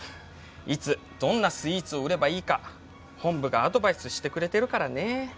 いつどんなスイーツを売ればいいか本部がアドバイスしてくれてるからね。